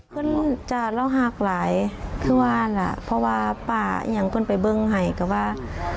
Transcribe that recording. คุณจะเล่าหากหลายเพื่อว่าล่ะเพราะว่าป่าอย่างคุณไปเบื้องไห่ก็ว่า